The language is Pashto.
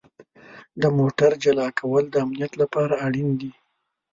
د موټر جلا کول د امنیت لپاره اړین دي.